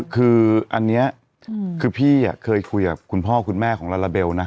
คืออันนี้คือพี่เคยคุยกับคุณพ่อคุณแม่ของลาลาเบลนะ